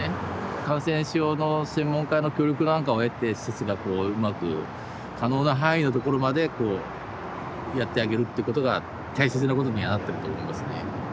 感染症の専門家の協力なんかも得て施設がこううまく可能な範囲のところまでやってあげるっていうことが大切なことにはなってると思いますね。